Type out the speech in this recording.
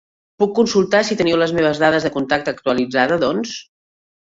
Puc consultar si teniu les meves dades de contacte actualitzades, doncs?